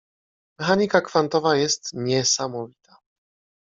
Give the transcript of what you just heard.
Mechanika kwantowa jest niesamowita.